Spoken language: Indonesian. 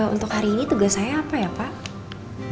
untuk hari ini tugas saya apa ya pak